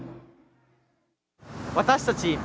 私たち